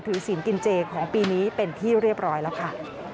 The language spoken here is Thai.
ศีลกินเจของปีนี้เป็นที่เรียบร้อยแล้วค่ะ